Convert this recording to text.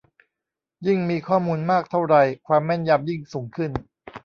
ยิ่งมีข้อมูลมากเท่าไร ความแม่นยำยิ่งสูงขึ้น